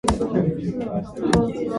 They did work together.